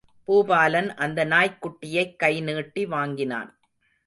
பூபாலன் அந்த நாய்க் குட்டியைக் கை நீட்டி வாங்கினான்.